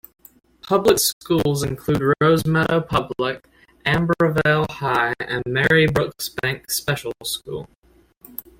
Public schools include Rosemeadow Public, Ambarvale High and Mary Brooksbank Special School.